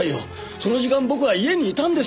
その時間僕は家にいたんですから。